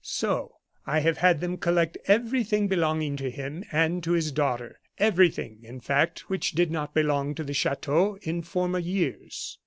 So I have had them collect everything belonging to him and to his daughter everything, in fact, which did not belong to the chateau in former years.